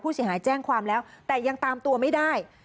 เสียหายแจ้งความแล้วแต่ยังตามตัวไม่ได้